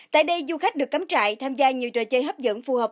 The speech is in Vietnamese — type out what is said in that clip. tại đây du khách được cắm trại tham gia nhiều trò chơi hấp dẫn phù hợp